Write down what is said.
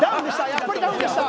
やっぱりダウンでした！